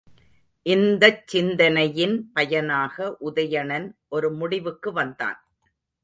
இந்தச் சிந்தனையின் பயனாக உதயணன் ஒரு முடிவுக்கு வந்தான்.